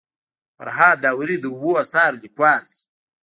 فرهاد داوري د اوو اثارو لیکوال دی.